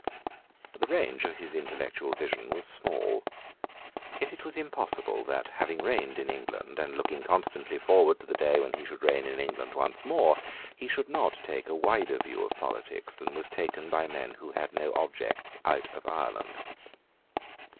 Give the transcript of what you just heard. The range of his intellectual vision was small. Yet it was impossible that, having reigned in England, and looking constantly forward to the day when he should reign in England once more, he should not take a wider view of politics than was taken by men who had no objects out of Ireland.